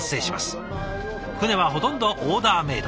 船はほとんどオーダーメード。